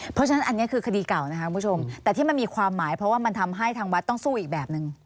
เพราะฉะนั้นอันนี้คือคดีเก่านะคะคุณผู้ชมแต่ที่มันมีความหมายเพราะว่ามันทำให้ทางวัดต้องสู้อีกแบบนึง